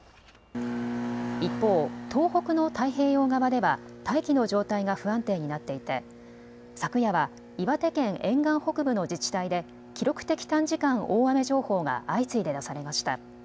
一方、東北の太平洋側では大気の状態が不安定になっていて昨夜は岩手県沿岸北部の自治体で記録的短時間大雨情報が相次いで出されました。